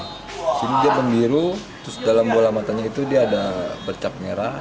di sini dia membiru terus dalam bola matanya itu dia ada bercap merah